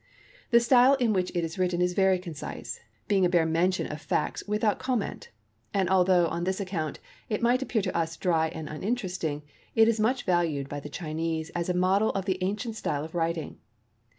The style in which it is written is very concise, being a bare mention of facts without comment, and although on this account it might appear to us dry and uninteresting, it is much valued by the Chinese as a model of the ancient style of writing.